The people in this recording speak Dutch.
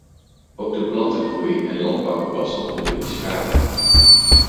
Ook de plantengroei en landbouwgewassen ondervinden schade.